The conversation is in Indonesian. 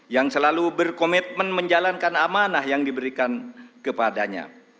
yang selalu berkomitmen menjalankan amanah yang diberikan kepadanya